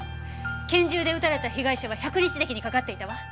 拳銃で撃たれた被害者は百日咳にかかっていたわ。